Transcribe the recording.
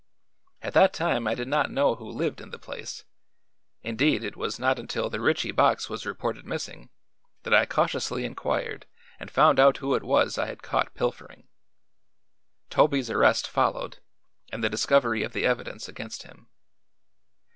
"At that time I did not know who lived in the place; indeed, it was not until the Ritchie box was reported missing that I cautiously inquired and found out who it was I had caught pilfering. Toby's arrest followed, and the discovery of the evidence against him.